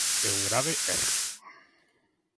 É un grave erro.